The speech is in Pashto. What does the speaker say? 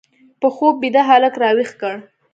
په خوب بیده هلک راویښ کړ